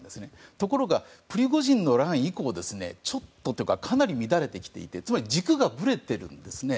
ところが、プリゴジンの乱以降かなり乱れてきていてつまり軸がぶれているんですね。